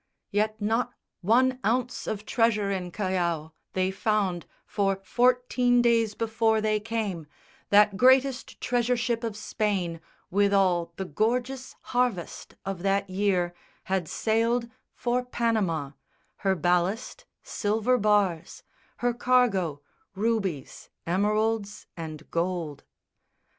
Yet not one ounce of treasure in Callao They found; for, fourteen days before they came, That greatest treasure ship of Spain, with all The gorgeous harvest of that year, had sailed For Panama: her ballast silver bars; Her cargo rubies, emeralds, and gold.